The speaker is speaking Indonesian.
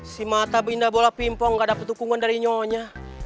si mata indah bola pimpong gak dapet tukungan dari nyonya